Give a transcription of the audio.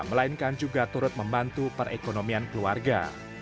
melainkan juga turut membantu perekonomian keluarga